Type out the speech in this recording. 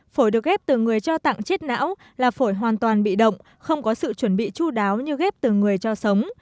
phổi được ghép từ người cho tặng chết não là phổi hoàn toàn bị động không có sự chuẩn bị chú đáo như ghép từ người cho sống